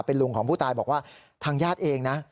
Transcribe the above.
เป็นลุงของผู้ตายบอกว่าทางญาติเองนะ